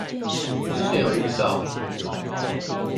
之前有遇到